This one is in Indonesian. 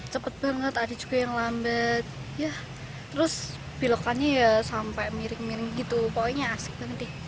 cepet banget ada juga yang lambat ya terus belokannya ya sampai miring miring gitu pokoknya asik banget